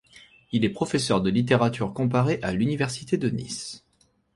Il est professeur de littérature comparée à l'université de Nice.